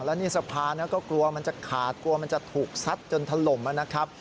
แล้วนี่สะพานก็กลัวมันจะขาดกลัวมันจะถูกซัดจนถล่มนะครับ